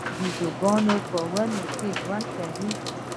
بیزوګان په ونو کې ژوند کوي